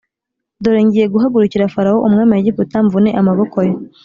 dore ngiye guhagurukira Farawo umwami wa Egiputa mvune amaboko ye